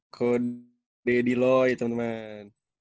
ko deddy loy teman teman